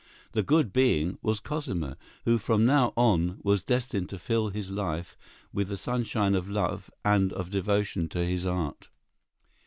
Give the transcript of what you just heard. The "good being" was Cosima, who from now on was destined to fill his life with the sunshine of love and of devotion to his art.